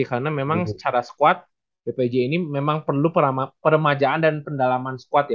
karena memang secara squad bpj ini memang perlu permajaan dan pendalaman squad ya